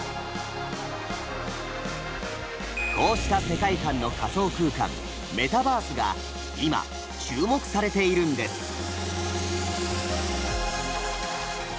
こうした世界観の仮想空間「メタバース」が今注目されているんです。